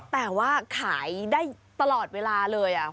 แต่ว่าขายได้ตลอดเวลาเลย